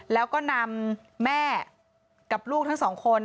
แล้วก็นำแม่กับลูกทั้งสองคน